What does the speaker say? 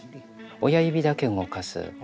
親指だけ動かす。